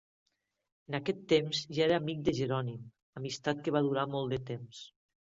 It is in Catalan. En aquest temps ja era amic de Jerònim, amistat que va durar molt de temps.